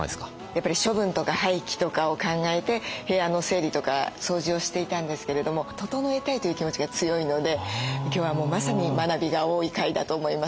やっぱり処分とか廃棄とかを考えて部屋の整理とか掃除をしていたんですけれども整えたいという気持ちが強いので今日はもうまさに学びが多い回だと思います。